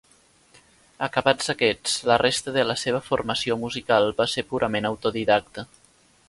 Acabats aquests, la resta de la seva formació musical va ser purament autodidacta.